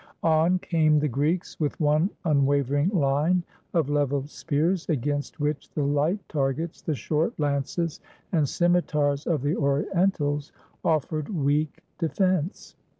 On came the Greeks, with one unwavering line of leveled spears, against which the light targets, the short lances and scimitars of the Orientals, offered weak defense.